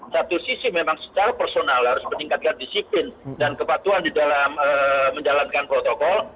satu sisi memang secara personal harus meningkatkan disiplin dan kepatuan di dalam menjalankan protokol